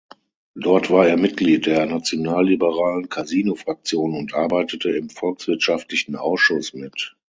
Dort war er Mitglied der nationalliberalen Casino Fraktion und arbeitete im "Volkswirtschaftlichen Ausschuss" mit.